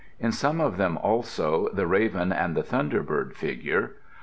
In some of them also, the raven and the thunderbird figure.